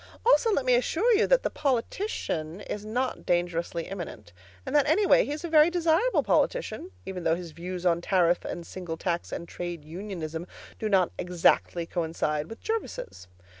Also let me assure you that the politician is not dangerously imminent; and that, anyway, he is a very desirable politician, even though his views on tariff and single tax and trade unionism do not exactly coincide with Jervis's.